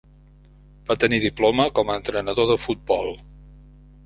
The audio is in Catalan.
Va tenir diploma com a entrenador de futbol.